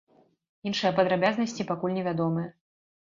Іншыя падрабязнасці пакуль невядомыя.